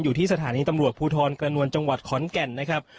อยู่ที่สถานีตำรวจภูทรกระนวลจังหวัดขอนแก่นนะครับ